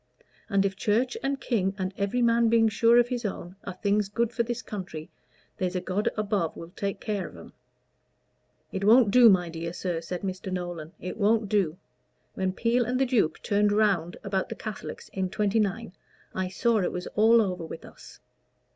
And if Church and King, and every man being sure of his own, are things good for this country, there's a God above will take care of 'em." "It won't do, my dear sir," said Mr. Nolan "It won't do. When Peel and the Duke turned round about the Catholics in '29, I saw it was all over with us.